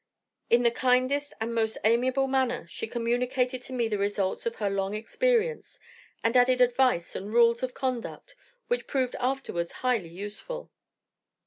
In the kindest and most amiable manner she communicated to me the results of her long experience, and added advice and rules of conduct, which proved afterwards highly useful.